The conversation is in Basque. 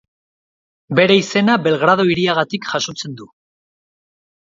Bere izena Belgrado hiriagatik jasotzen du.